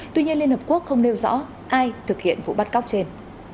tuy nhiên liên hợp quốc không nêu rõ ai thực hiện vụ bắt cóc trên